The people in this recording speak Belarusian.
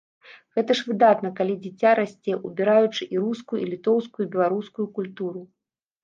Гэта ж выдатна, калі дзіця расце, убіраючы і рускую, і літоўскую, і беларускую культуру.